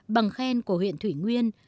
bằng khen của huyện thủy nguyên